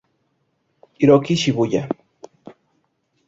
Hiroki Shibuya